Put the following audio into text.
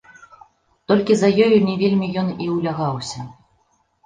Толькі за ёю не вельмі ён і ўлягаўся.